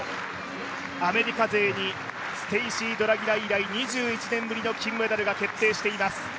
アメリカ勢にステーシー・ドラギラ以来２１年ぶりのメダルになります。